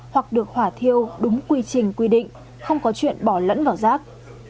hoặc được hỏa thiêu đúng quy trình quy định không có chuyện bỏ lẫn vào rác